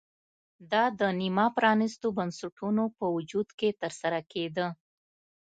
دا د نیمه پرانېستو بنسټونو په وجود کې ترسره کېده